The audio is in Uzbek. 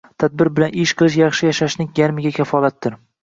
Tadbir bilan ish qilish yaxshi yashashning yarmiga kafolatdir.